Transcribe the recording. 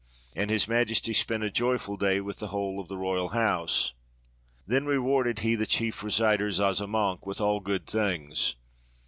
And His Majesty spent a joyful day with the whole of the royal house. Then re warded he the chief reciter Zazamankh with all good things.